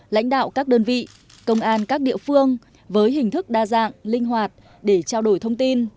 lãnh đạo các đơn vị công an các địa phương với hình thức đa dạng linh hoạt để trao đổi thông tin